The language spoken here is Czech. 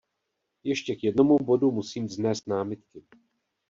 Ještě k jednomu bodu musím vznést námitky.